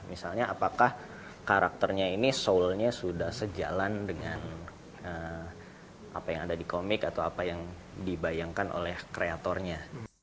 misalnya apakah karakternya ini soulnya sudah sejalan dengan apa yang ada di komik atau apa yang dibayangkan oleh kreatornya